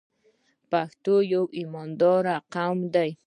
پښتون یو ایماندار قوم دی.